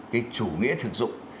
cái chủ nghĩa thực dụng